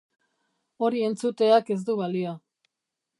Hori entzuteak ez du balio.